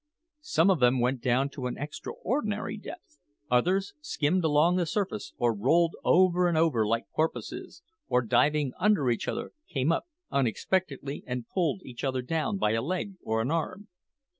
Some of them went down to an extraordinary depth; others skimmed along the surface, or rolled over and over like porpoises, or diving under each other, came up unexpectedly and pulled each other down by a leg or an arm.